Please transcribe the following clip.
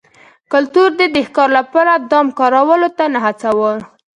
کلتور دوی د ښکار لپاره دام کارولو ته نه هڅول